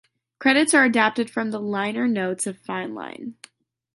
Credits are adapted from the liner notes of "Fine Line".